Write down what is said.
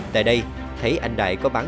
tại đây thấy anh đại có bắn